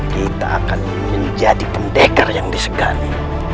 kita akan menjadi pendekar yang disegani